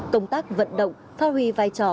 công tác vận động pha huy vai trò